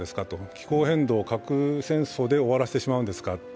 気候変動、核戦争で終わらせてしまうんですかと。